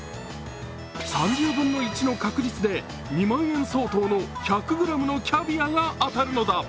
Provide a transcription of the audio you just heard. ３０分の１の確率で２万円相当の１００ｇのキャビアが当たるのだ。